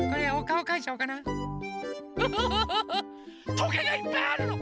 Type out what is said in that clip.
とげがいっぱいあるの！